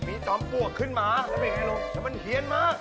มีจอมปวดขึ้นมาแล้วมันเฮียนมา